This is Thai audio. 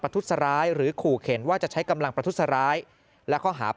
ทุษร้ายหรือขู่เข็นว่าจะใช้กำลังประทุษร้ายและข้อหา